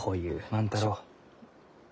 万太郎。